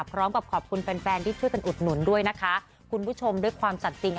พร้อมกับขอบคุณแฟนแฟนที่ช่วยกันอุดหนุนด้วยนะคะคุณผู้ชมด้วยความสัดจริง